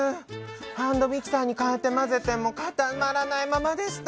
ハンドミキサーに変えて混ぜても固まらないままでした」。